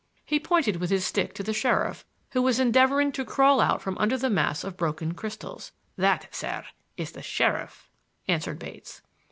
He pointed with his stick to the sheriff, who was endeavoring to crawl out from under the mass of broken crystals. "That, sir, is the sheriff," answered Bates.